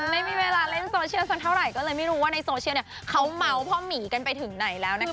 ไม่มีเวลาเล่นโซเชียลสักเท่าไหร่ก็เลยไม่รู้ว่าในโซเชียลเนี่ยเขาเมาส์พ่อหมีกันไปถึงไหนแล้วนะคะ